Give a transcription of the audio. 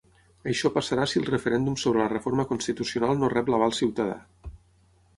Això passarà si el referèndum sobre la reforma constitucional no rep l’aval ciutadà.